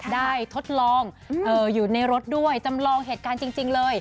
ทดลองอยู่ในรถด้วยจำลองเหตุการณ์จริงเลย